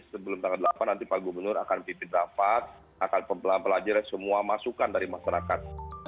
sebelum tanggal delapan nanti pak gubernur akan dipindahkan akan pelajari semua masukan dari masyarakat